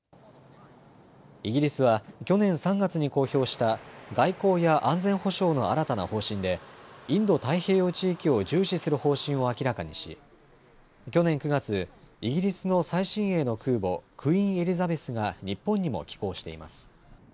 イギリスは去年３月に公表した外交や安全保障の新たな方針でインド太平洋地域を重視する方針を明らかにし去年９月、イギリスの最新鋭の空母、クイーン・エリザベスが日本にも寄港しています。